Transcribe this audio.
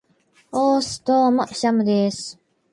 ｵｨｨｨｨｨｨｯｽ!どうもー、シャムでーす。